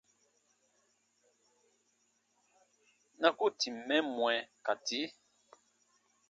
Na ko tìm mɛ mwɛ ka tii.